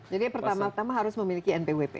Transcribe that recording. pertama tama harus memiliki npwp